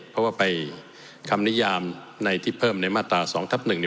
เพราะว่าไปคำนิยามในที่เพิ่มในมาตรา๒ทับ๑